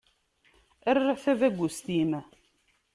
Err tabagust-im.